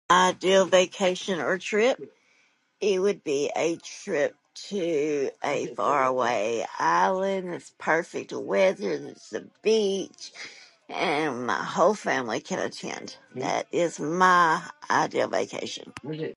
Ideal vacation or trip? It would be a trip to a faraway island that's perfect weather and it's the beach and my whole family can attend. That is my ideal vacation.